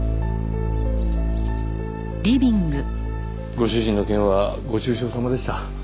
ご主人の件はご愁傷さまでした。